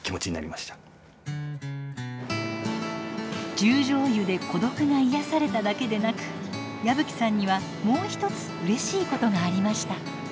十條湯で孤独が癒やされただけでなく矢吹さんにはもう一つうれしいことがありました。